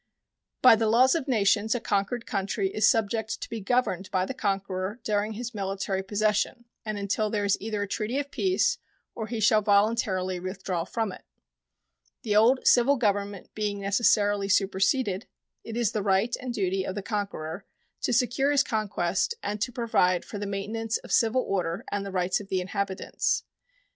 By the laws of nations a conquered country is subject to be governed by the conqueror during his military possession and until there is either a treaty of peace or he shall voluntarily withdraw from it. The old civil government being necessarily superseded, it is the right and duty of the conqueror to secure his conquest and to provide for the maintenance of civil order and the rights of the inhabitants.